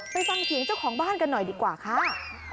ไปฟังเสียงเจ้าของบ้านกันหน่อยดีกว่าค่ะ